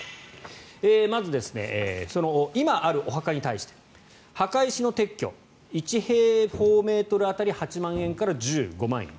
まず今あるお墓に対して墓石の撤去１平方メートル当たり８万円から１５万円。